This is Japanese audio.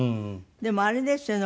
でもあれですよね